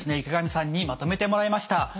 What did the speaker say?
池上さんにまとめてもらいました。